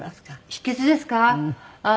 秘訣ですか？